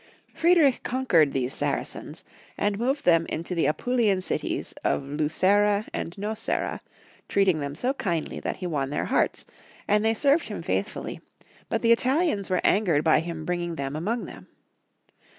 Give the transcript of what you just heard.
Friedrich con quered these Saracens, and moved them into the Apulian cities of Lucera and Nocera, treating them so kindly that he won theh* hearts, and they served him faithfully, but the Italians were angered by his bringing them among them.